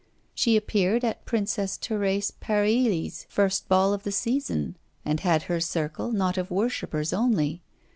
She appeared at Princess Therese Paryli's first ball of the season, and had her circle, not of worshippers only.